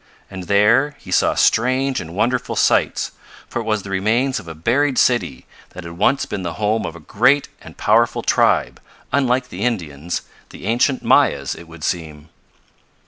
And there he saw strange and wonderful sights, for it was the remains of a buried city, that had once been the home of a great and powerful tribe unlike the Indians the ancient Mayas it would seem.